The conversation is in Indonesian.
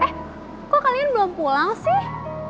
eh kok kalian belum pulang sih